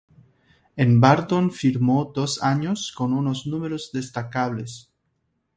En Barton firmó dos años con unos números destacables.